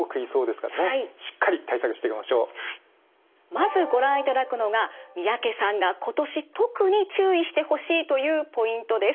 まずご覧いただくのが三宅さんが今年特に注意してほしいというポイントです。